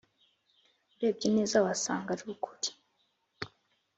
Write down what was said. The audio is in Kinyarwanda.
urebye neza wasanga arukuri